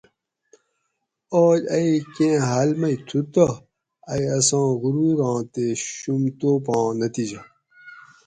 آج ائ کیں حاۤل مئ تھُو تہ ائ اساں غروراں تے شُوم توپاں نتیجہ